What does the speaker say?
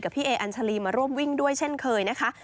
พี่เออัญชาลีมาร่วมวิ่งด้วยเช่นเคยนะคะ